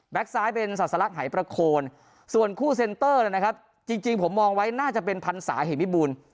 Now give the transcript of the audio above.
แบสไซด์เป็นสศลักษณ์หายปราคนส่วนคู่เซ็นเตอร์นะครับจริงผมมองไว้น่าจะเป็นพันศาเหหิ่มธิบุล